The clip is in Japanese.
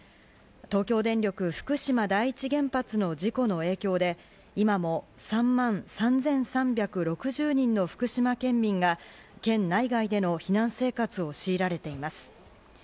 東京電力福島第一原発の事故の影響で今も３万３３６０人の福島県民が県内外での避難生活を強いられています。